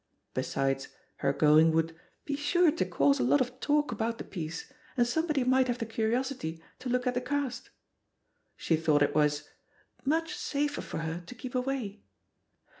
Besides, her going would ^'he sure to cause a lot of talk about the piece, and somebody might have the curiosity to look at the cast." She thought it was "much safer for her to keep away."